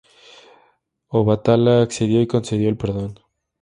Obatalá accedió y concedió el perdón.